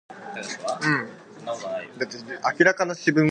The forum allowed her visitors to get answers to the many questions they had.